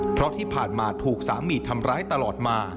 เพราะที่ผ่านมาถูกสามีทำร้ายตลอดมา